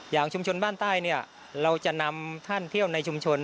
อย่างชุมชนบ้านใต้เนี่ยเราจะนำท่านเที่ยวในชุมชน